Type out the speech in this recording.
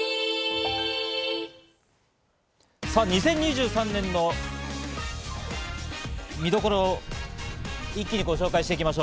２０２３年の見どころを一気にご紹介していきましょう。